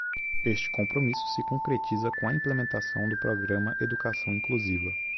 Este compromisso se concretiza com a implementação do Programa Educação Inclusiva